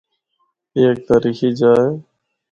اے ہک تاریخی جا اے۔